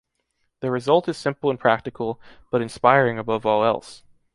The result is simple and practical, but inspiring above all else.